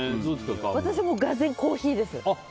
私も、俄然コーヒーです。